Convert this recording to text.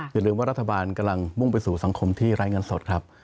อย่าลืมว่ารัฐบาลกำลังมุ่งไปสู่สังคมที่รายงานสดครับ